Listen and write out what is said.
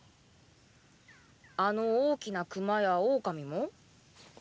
あの大きな熊やオオカミも？